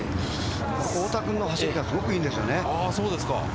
太田君の走りがすごくいいんですよね。